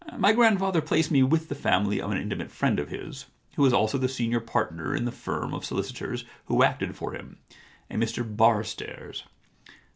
* My grandfather placed me with the family of an intimate friend of his, who was also the senior partner in the firm of solicitors who acted for him, a Mr Barstairs.